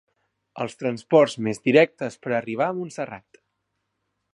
Els transports més directes per arribar a Montserrat.